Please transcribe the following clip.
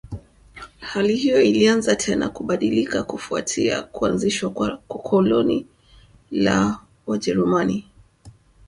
Hali hiyo ilianza tena kubadilika kufuatia kuanzishwa kwa koloni la Wajerumani